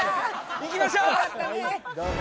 行きましょう！